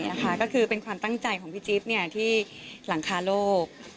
นี่ค่ะก็คือเป็นความตั้งใจของพี่จิ๊บที่หลังคาโลก